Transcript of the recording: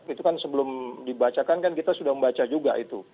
itu kan sebelum dibacakan kan kita sudah membaca juga itu